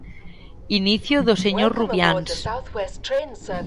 Inicio do señor Rubiáns.